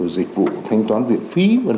dịch vụ thanh toán viện phí